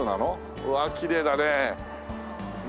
うわきれいだね。